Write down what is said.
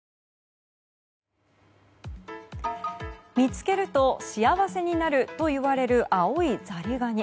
見つけると幸せになるといわれる青いザリガニ。